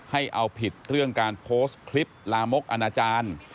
ให้เอาผิดเรื่องการโพสต์คลิปลามกอนาจารย์